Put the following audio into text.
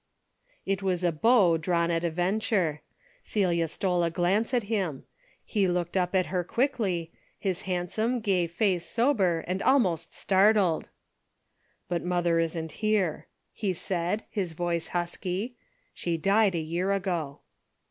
It was a bow drawn at a venture. Celia s^ a glance at him. He looked up at her ( dckly, his handsome, gay face sober and al ■' tost startled. " But mother isn't here," he said, his voice husky. '' She died a year ago."